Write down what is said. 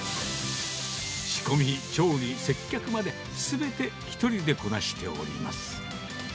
仕込み、調理、接客まですべて１人でこなしております。